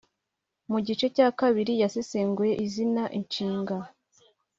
mu gice cya kabiri yasesenguye izina, inshinga,